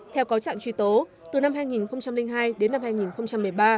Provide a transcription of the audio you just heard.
theo cáo trạng truy tố từ năm hai nghìn hai đến năm hai nghìn một mươi ba